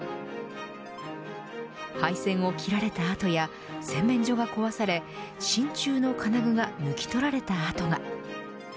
配線を切られた跡や洗面所が壊され真ちゅうの金具が抜き取られた跡が。